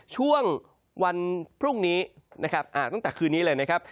ช่วงวันพรุ่งนี้นะครับตั้งแต่คืนนี้เลยนะครับ